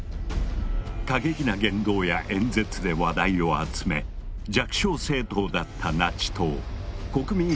過激な言動や演説で話題を集め弱小政党だったナチ党国民